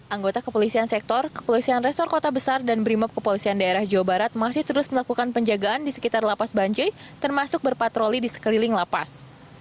anggota kepolisian sektor kepolisian resor kota besar dan brimob kepolisian daerah jawa barat masih terus melakukan penjagaan di sekitar lapas banjoi termasuk berpatroli di sekeliling lapas